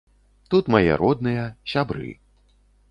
Тут мае родныя, сябры.